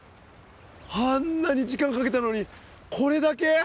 あんなに時間かけたのにこれだけ？